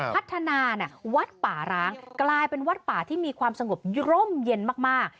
พัฒนาวัดป่าร้างกลายเป็นวัดป่าที่มีความสงบร่มเย็นมาก